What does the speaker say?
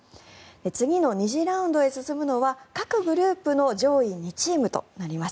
次の２次ラウンドへ進むのは各グループの上位２チームとなります。